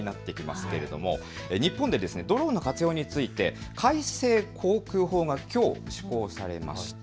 日本でドローンの活用について改正航空法がきょう施行されました。